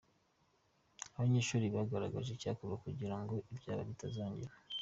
Abanyeshuri bagaragaje icyakorwa kugira ngo ibyabaye ntibizongere.